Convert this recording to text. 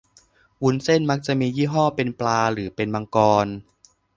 วุ้นเส้นมักจะมียี่ห้อเป็นปลาหรือเป็นมังกร